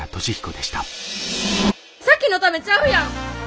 咲妃のためちゃうやん。